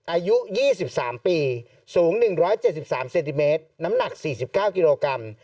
อายุ๒๓ปีสูง๑๗๓เซนติเมตรน้ำหนัก๔๙กิโลกรัม